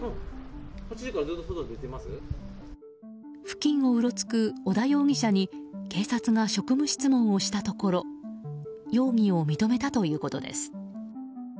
付近をうろつく織田容疑者に警察が職務質問をしたところ容疑を認めたということです。